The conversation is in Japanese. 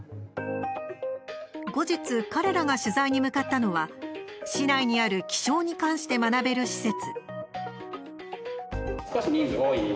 後日、彼らが取材に向かったのは市内にある気象に関して学べる施設。